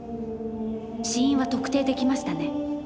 死因は特定できましたね。